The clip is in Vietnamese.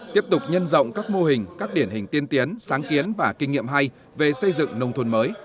tiếp tục nhân rộng các mô hình các điển hình tiên tiến sáng kiến và kinh nghiệm hay về xây dựng nông thôn mới